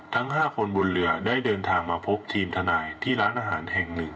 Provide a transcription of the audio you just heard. ทั้ง๕คนบนเรือได้เดินทางมาพบทีมทนายที่ร้านอาหารแห่งหนึ่ง